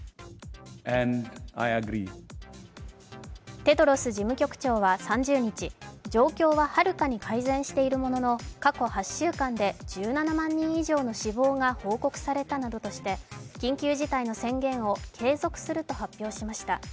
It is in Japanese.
テドロス事務局長は３０日、状況ははるかに改善しているものの過去８週間で１７万人以上の死亡が報告されたなどとして、緊急事態の宣言を継続すると発表しました。